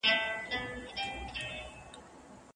که چاک وي نو توري نه ورکېږي.